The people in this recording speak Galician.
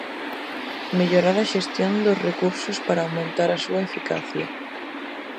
Mellorar a xestión dos recursos para aumentar a súa eficiencia.